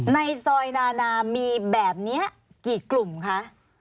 ในซอยนานามีแบบนี้กี่กลุ่มคะ